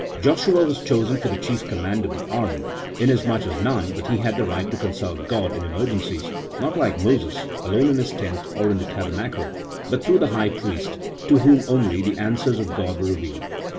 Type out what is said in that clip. Joshua was chosen for the chief command of the army, in asmuch as none but he had the right to consult God in emergencies, not like Moses, alone in his tent, or in the tabernacle, but through the high priest, to whom only the answers of God were revealed.